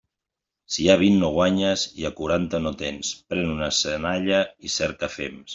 Si a vint no guanyes i a quaranta no tens, pren una senalla i cerca fems.